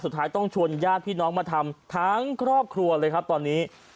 สุดท้ายต้องชวนญาติพี่น้องมาทำทั้งครอบครัวเลยครับตอนนี้